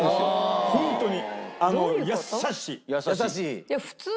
ホントに。